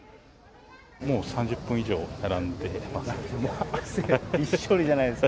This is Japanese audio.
もう３０分以上並んでます。